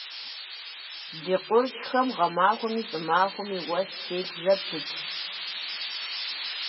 Ди къуршхэм гъэмахуэми щӏымахуэми уэс телъ зэпытщ.